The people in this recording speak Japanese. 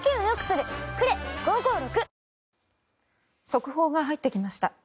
速報が入ってきました。